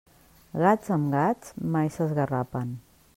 Gats amb gats mai s'esgarrapen.